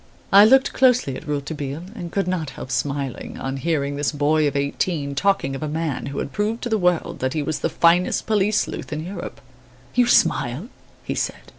I looked closely at Rouletabille and could not help smiling, on hearing this boy of eighteen talking of a man who had proved to the world that he was the finest police sleuth in Europe. "You smile," he said?